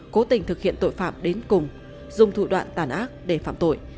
cố tình thực hiện tội phạm đến cùng dùng thủ đoạn tàn ác để phạm tội